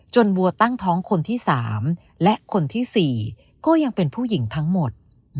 บัวตั้งท้องคนที่๓และคนที่๔ก็ยังเป็นผู้หญิงทั้งหมด